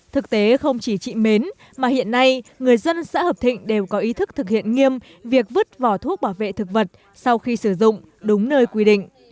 thực tế không chỉ chị mến mà hiện nay người dân xã hợp thịnh đều có ý thức thực hiện nghiêm việc vứt vỏ thuốc bảo vệ thực vật sau khi sử dụng đúng nơi quy định